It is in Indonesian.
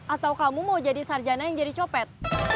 atau kamu mau jadi sarjana yang jadi copet